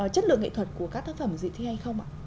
chất lượng nghệ thuật của các tác phẩm gì thì hay không ạ